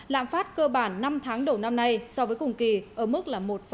lạm phát cơ bản năm tháng đổ năm nay so với cùng kỳ ở mức một tám mươi năm